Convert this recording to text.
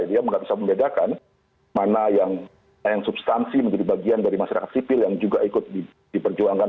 dia nggak bisa membedakan mana yang substansi menjadi bagian dari masyarakat sipil yang juga ikut diperjuangkan